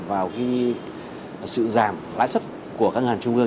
vào sự giảm lãi xuất của các ngàn trung ương